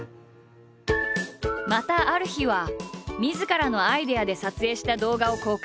またある日はみずからのアイデアで撮影した動画を公開。